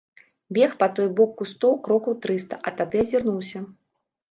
Бег па той бок кустоў крокаў трыста, а тады азірнуўся.